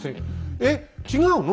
えっ違うの？